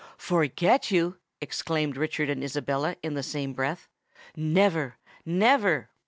"Forget you!" exclaimed Richard and Isabella in the same breath; "never—never!"